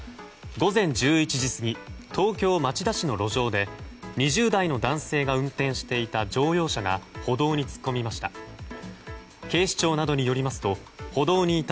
午前１１時過ぎ東京・町田市の路上で２０代の男性が運転していた乗用車が歩道に突っ込みました。